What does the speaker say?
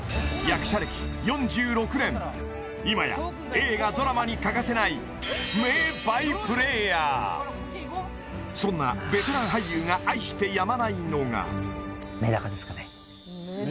今や映画ドラマに欠かせないそんなベテラン俳優が愛してやまないのがメダカですかね